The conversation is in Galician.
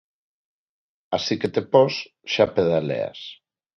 Así que te pos, xa pedaleas.